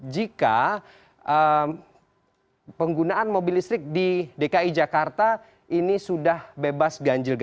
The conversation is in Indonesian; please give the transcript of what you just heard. jika penggunaan mobil listrik di dki jakarta ini sudah bebas ganjil gena